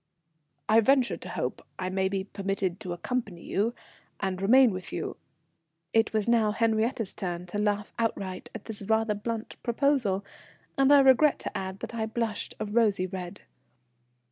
"I venture to hope I may be permitted to accompany you, and remain with you " It was now Henriette's turn to laugh outright at this rather blunt proposal, and I regret to add that I blushed a rosy red.